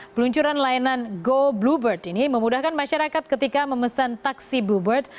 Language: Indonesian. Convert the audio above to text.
peluncuran layanan go bluebird ini memudahkan masyarakat ketika memesan taksi bluebird